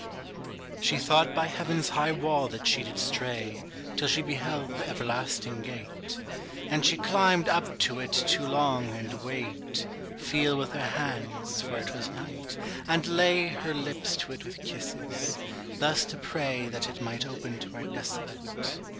She thought by heaven's high wall that she did stray Till she beheld the everlasting gate: And she climbed up to it to long, and wait, Feel with her hands (for it was night), and lay Her lips to it with kisses; thus to pray That it might open to her desolate.